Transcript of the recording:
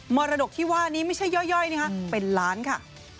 รดกที่ว่านี้ไม่ใช่ย่อยนะคะเป็นล้านค่ะ